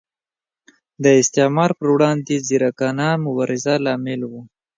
د استعمار پر وړاندې ځیرکانه مبارزه لامل و.